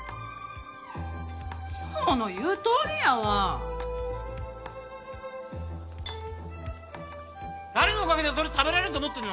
翔の言うとおりやわ誰のおかげでそれ食べれると思ってるの？